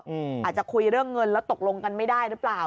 อาจจะคุยเรื่องเงินแล้วตกลงกันไม่ได้หรือเปล่า